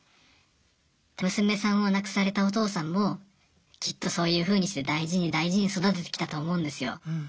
娘さんを亡くされたお父さんもきっとそういうふうにして大事に大事に育ててきたと思うんですよ。